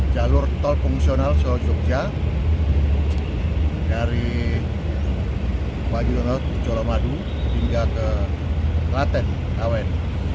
jalur tol fungsional seluruh jogja dari pagi donat di coro madu hingga ke laten awen